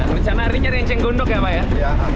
rencana hari ini cari yang cenggondok ya pak